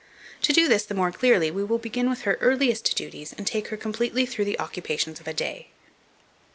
To do this the more clearly, we will begin with her earliest duties, and take her completely through the occupations of a day.